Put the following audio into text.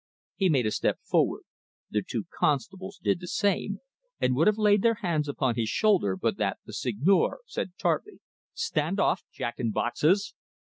He made a step forward. The two constables did the same, and would have laid their hands upon his shoulder but that the Seigneur said tartly: "Stand off, Jack in boxes!"